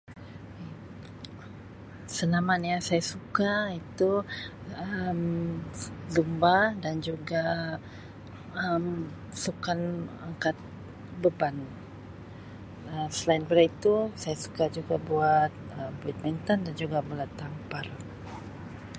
Senaman yang saya suka itu Um zu-zumba dan juga Um sukan angkat beban. Um Selain daripada itu saya suka juga buat Um badminton dan juga bola tampar.